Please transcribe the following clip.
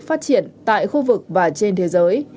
phát triển tại khu vực và trên thế giới